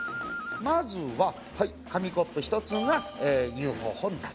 まずははい紙コップ１つがＵＦＯ本体。